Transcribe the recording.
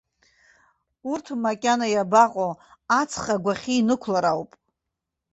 Урҭ макьана иабаҟоу, аҵх агәахьы инықәлар ауп.